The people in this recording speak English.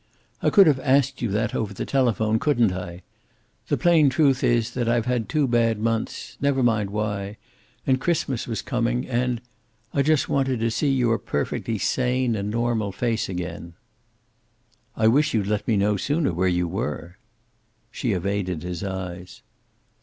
"I could have asked you that over the telephone, couldn't I? The plain truth is that I've had two bad months never mind why, and Christmas was coming, and I just wanted to see your perfectly sane and normal face again." "I wish you'd let me know sooner where you were." She evaded his eyes.